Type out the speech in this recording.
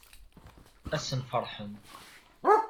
Ad asen-ferḥen.